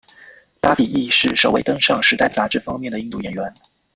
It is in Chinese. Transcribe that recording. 巴比亦是首位登上时代杂志封面的印度演员。